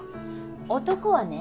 男はね